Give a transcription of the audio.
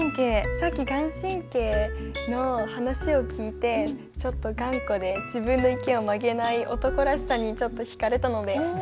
さっき顔真の話を聞いてちょっと頑固で自分の意見を曲げない男らしさにちょっと引かれたので。